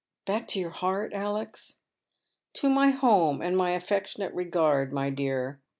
" Back to your heart, Alex ?"" To my home and my affectionate regard, my dear.